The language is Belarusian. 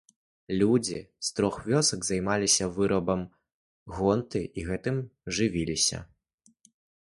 Людзі з трох вёсак займаліся вырабам гонты і гэтым жывіліся.